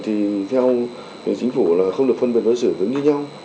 thì theo chính phủ là không được phân biệt với sự tính như nhau